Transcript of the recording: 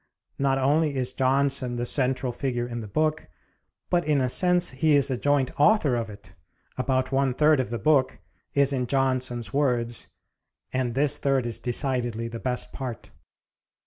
Not only is Johnson the central figure in the book, but in a sense he is a joint author of it. About one third of the book is in Johnson's words, and this third is decidedly the best part.